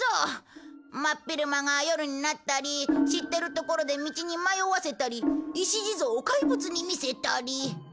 真っ昼間が夜になったり知ってる所で道に迷わせたり石地蔵を怪物に見せたり。